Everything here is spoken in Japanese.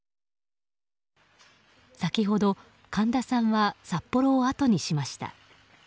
先ほど、神田さんは札幌をあとにしました。